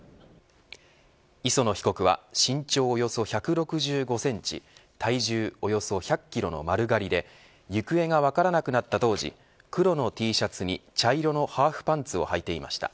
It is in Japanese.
磯野被告は身長およそ１６５センチ体重およそ１００キロの丸刈りで行方が分からなくなった当時黒のＴシャツに茶色のハーフパンツをはいていました。